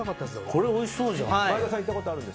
これ、おいしそうじゃん。